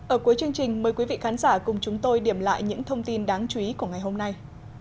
ở cuối chương trình mời quý vị khán giả cùng chúng tôi điểm lại những thông tin đáng chú ý của ngày hôm nay